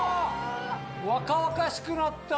若々しくなった。